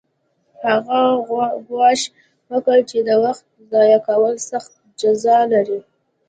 هغه ګواښ وکړ چې د وخت ضایع کول سخته جزا لري